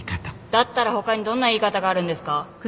だったら他にどんな言い方があるんですか？